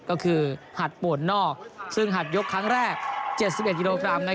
ก็คือหัดปวดนอกซึ่งหัดยกครั้งแรก๗๑กิโลกรัม